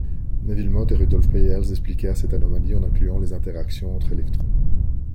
Nevill Mott et Rudolf Peierls expliquèrent cette anomalie en incluant les interactions entre électrons.